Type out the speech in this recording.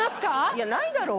いやないだろう。